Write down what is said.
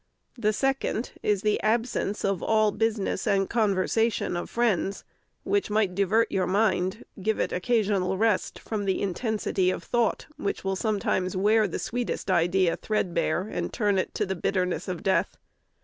The second is the absence of all business and conversation of friends, which might divert your mind, give it occasional rest from the intensity of thought which will sometimes wear the sweetest idea threadbare, and turn it to the bitterness of death.